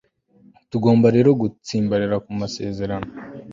Tugomba rero gutsimbarara ku masezerano